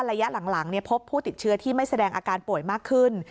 ระยะหลังพบผู้ติดเชื้อที่ไม่แสดงอาการป่วยมากขึ้น